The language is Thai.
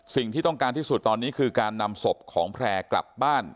สิ่งที่ต้องการที่สุดตอนนี้คือการนำศพของแพร่กลับบ้าน